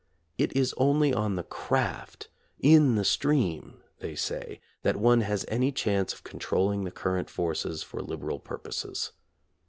It is only on the craft, in the stream, they say, that one has any chance of controlling the current forces for liberal purposes.